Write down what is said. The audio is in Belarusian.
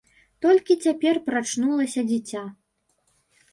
Толькі цяпер прачнулася дзіця.